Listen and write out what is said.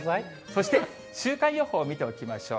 そして、週間予報、見ておきましょう。